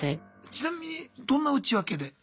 ちなみにどんな内訳で？